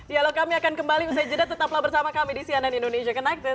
ya loh kami akan kembali usai jeda tetaplah bersama kami di sianan indonesia connected